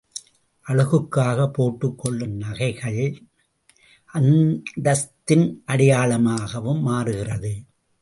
அழகுக்காகப் போட்டுக் கொள்ளும் நகைள் அந்தஸ்தின் அடையாளமாகவும் மாறுகிறது.